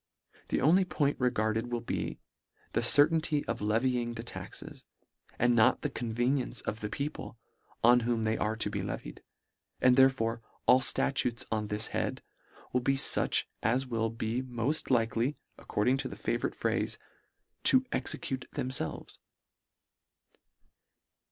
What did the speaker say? The only point regarded will be, the certainty of levying the taxes, and not the convenience of the people, on whom they are to be levied, and therefore all ftatutes on this head will be fuch as will be moft likely, according to the favourite phrafe, "to execute themfelves."